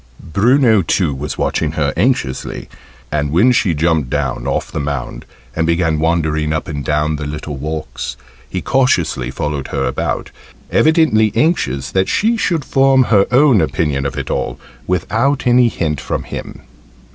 Bruno too was watching her anxiously, and when she jumped down off the mound, and began wandering up and down the little walks, he cautiously followed her about, evidently anxious that she should form her own opinion of it all, without any hint from him.